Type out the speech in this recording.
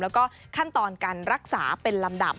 แล้วก็ขั้นตอนการรักษาเป็นลำดับ